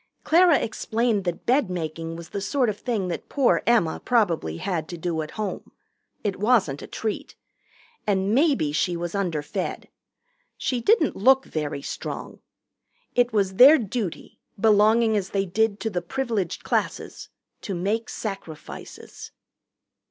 Clara explained that bed making was the sort of thing that poor Emma probably had to do at home. It wasn't a treat. And maybe she was underfed. She didn't look very strong. It was their duty, belonging as they did to the Privileged Classes, to make Sacrifices.